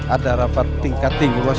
ada rapat tingkat tinggi was